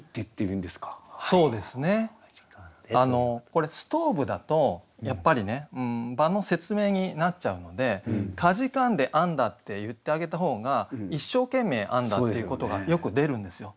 これ「ストーブ」だとやっぱりね場の説明になっちゃうので悴んで編んだって言ってあげたほうが一生懸命編んだっていうことがよく出るんですよ。